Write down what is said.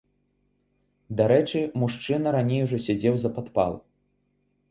Дарэчы, мужчына раней ужо сядзеў за падпал.